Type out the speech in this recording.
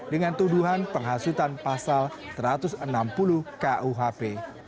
dengan tuduhan penghasutan pasal satu ratus enam puluh kuhp